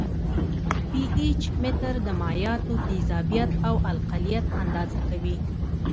پي ایچ متر د مایعاتو تیزابیت او القلیت اندازه کوي.